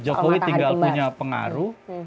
jokowi tinggal punya pengaruh